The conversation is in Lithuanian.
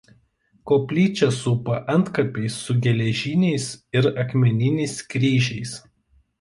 Koplyčią supa antkapiai su geležiniais ir akmeniniais kryžiais.